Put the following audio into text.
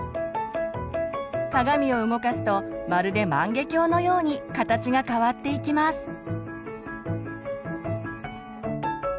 鏡を動かすとまるで万華鏡のように形が変わっていきます。